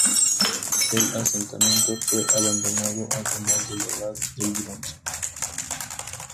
El asentamiento fue abandonado al final de la Edad del Bronce.